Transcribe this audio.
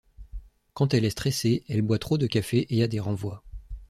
Quand elle est stressé, elle boit trop de café et a des renvois.